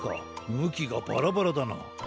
むきがバラバラだな。